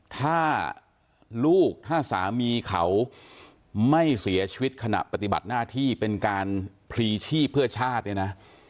ถ้าลูกถ้าสามีเขาไม่เสียชีวิตขณะปฏิบัติหน้าที่เป็นการพลีชีพเพื่อชาติเนี่ยนะ